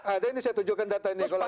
ada ini saya tunjukkan data ini kalau ada